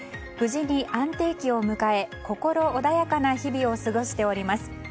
無事に安定期を迎え心穏やかな日々を過ごしております。